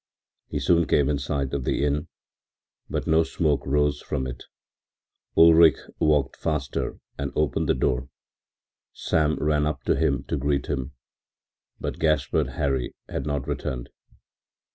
He soon came in sight of the inn, but no smoke rose from it. Ulrich walked faster and opened the door. Sam ran up to him to greet him, but Gaspard Hari had not returned.